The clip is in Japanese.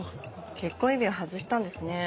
結婚指輪外したんですね。